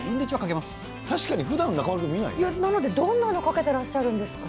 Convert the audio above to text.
確かにふだん、中丸君、ふだん、どんなのかけていらっしゃるんですか。